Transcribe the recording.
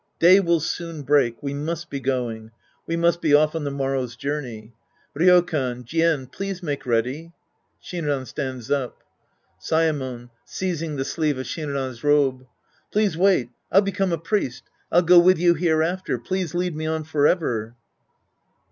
Day will soon break. We must be going. We must be off on the morrow's journey. Ryokan, Jien, please make ready. (Shinran stands up?) Saemon {seizing the sleeve o/'Shinran's robe). Please wait. I'll become a priest. I'll go with you here after. Please lead me on forever.